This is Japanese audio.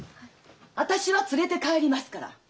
私は連れて帰りますから。